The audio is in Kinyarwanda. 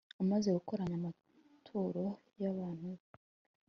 amaze gukoranya amaturo y'abantu be